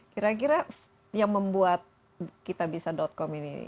kira kira yang membuat kitabisa com ini